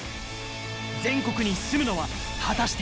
全国に進むのは果たして。